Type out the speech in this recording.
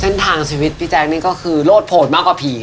เส้นทางชีวิตพี่แจ๊คนี่ก็คือโลดโหดมากกว่าผี